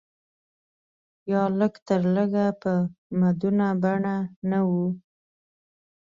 یا لږ تر لږه په مدونه بڼه نه و.